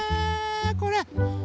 これ。